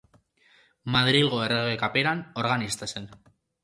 Madrilgo Errege Kaperan organista izan zen.